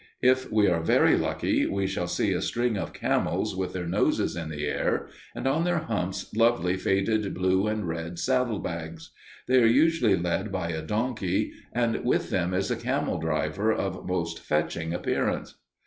If we are very lucky, we shall see a string of camels with their noses in the air, and on their humps lovely faded blue and red saddle bags. They are usually led by a donkey, and with them is a camel driver of most fetching appearance.